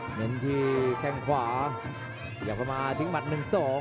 เหมือนที่แข่งขวาเดี๋ยวเข้ามาทิ้งหมัดหนึ่งสอง